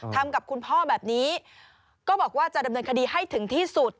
ทำกับคุณพ่อแบบนี้ก็บอกว่าจะดำเนินคดีให้ถึงที่สุด